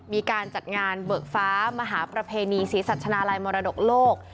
มีการจัดงานเบิกฟ้ามหาประเพณีศรีสัชนาลัยมรดกโลก